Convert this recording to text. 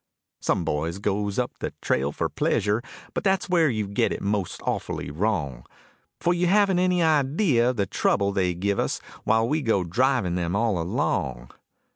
Some boys goes up the trail for pleasure, But that's where you get it most awfully wrong; For you haven't any idea the trouble they give us While we go driving them all along.